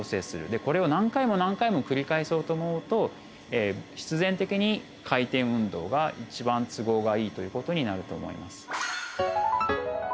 でこれを何回も何回も繰り返そうと思うと必然的に回転運動が一番都合がいいという事になると思います。